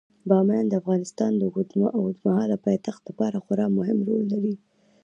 بامیان د افغانستان د اوږدمهاله پایښت لپاره خورا مهم رول لري.